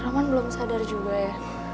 cuman belum sadar juga ya